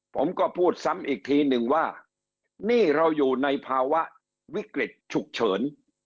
ผมก็พูดซ้ำอีกทีหนึ่งว่านี่เราอยู่ในภาวะวิกฤตฉุกเฉิน